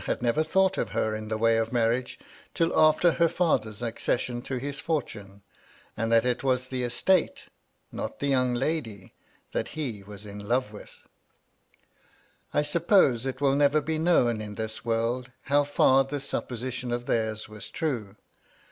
297 had never thought of her in the way of marriage till after her father's accession to his fortune ; and that it was the estate — ^not the young lady — that he was in love with. I suppose it will never be known in this world how far this supposition of theirs was true.